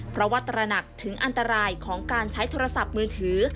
เพราะว่าตระหนักถึงอันตรายของการใช้โทรศัพท์มือถือ